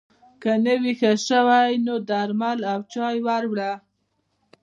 که نه وي ښه شوی نو درمل او چای ور وړه